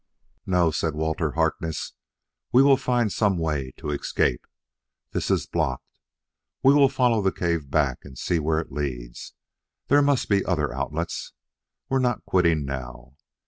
"No," said Walter Harkness: "we will find some way to escape. This is blocked. We will follow the cave back and see where it leads. There must be other outlets. We're not quitting now."